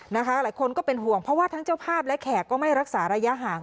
หลายคนก็เป็นห่วงเพราะว่าทั้งเจ้าภาพและแขกก็ไม่รักษาระยะห่าง